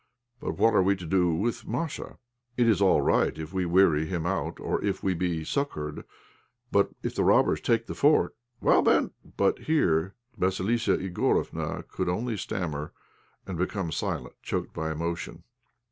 But what are we to do with Masha? It is all right if we weary him out or if we be succoured. But if the robbers take the fort?" "Well, then " But here Vassilissa Igorofna could only stammer and become silent, choked by emotion.